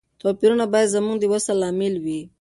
توپیرونه باید زموږ د وصل لامل وي.